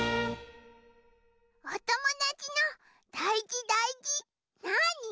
おともだちのだいじだいじなあに？